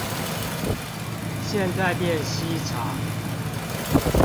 現在變西廠